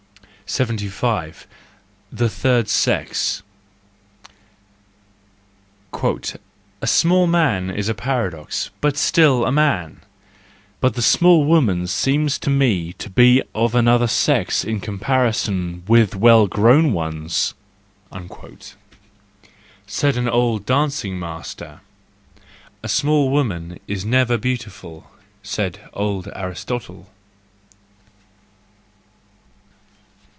75 * The Third Sex .—"A small man is a paradox, but still a man,—but the small woman seems to me to be of another sex in comparison with well grown ones"—said an old dancing master. A small woman is never beautiful—said old Aristotle.